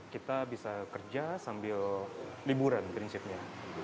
kita bisa kerja sambil liburan prinsipnya